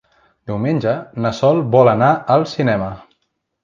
Diumenge na Sol vol anar al cinema.